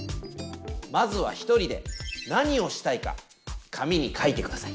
まずは１人で何をしたいか紙に書いてください。